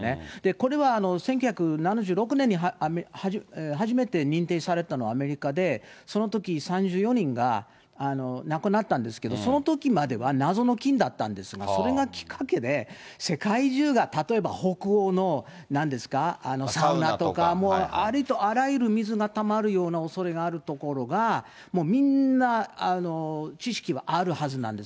これは１９７６年に初めて認定されたのはアメリカで、そのとき３４人が亡くなったんですけど、そのときまでは謎の菌だったんですが、それがきっかけで世界中が、例えば北欧のなんですか、サウナとか、もうありとあらゆる水がたまるようなおそれがあるところが、もうみんな知識はあるはずなんです。